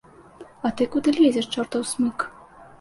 А ты куды лезеш, чортаў смык?